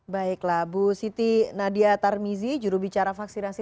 baiklah bu siti nadia tarmizi jurubicara vaksinasi